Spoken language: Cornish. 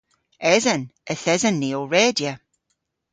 Esen. Yth esen ni ow redya.